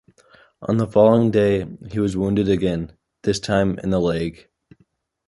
On the following day, he was wounded again, this time in the leg.